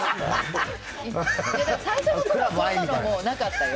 最初のころはそんなのなかったよ。